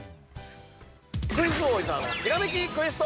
◆「クイズ王・伊沢のひらめきクエスト」！